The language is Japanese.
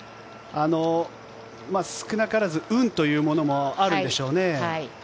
少なからず運というのもあるんでしょうね。